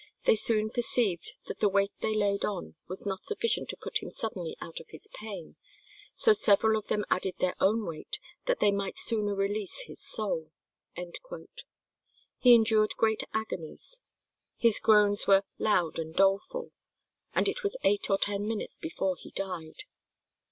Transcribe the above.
They soon perceived that the weight they laid on was not sufficient to put him suddenly out of pain, so several of them added their own weight, that they might sooner release his soul." He endured great agonies. His groans were "loud and doleful," and it was eight or ten minutes before he died.